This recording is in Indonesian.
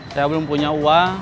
saya belum punya uang